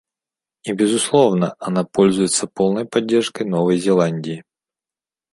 И безусловно, она пользуется полной поддержкой Новой Зеландии.